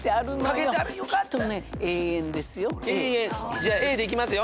じゃあＡでいきますよ。